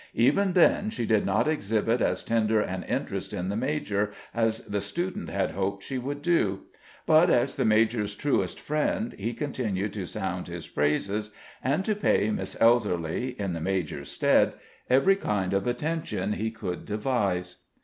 Even then she did not exhibit as tender an interest in the major as the student had hoped she would do; but, as the major's truest friend, he continued to sound his praises, and to pay Miss Elserly, in the major's stead, every kind of attention he could devise.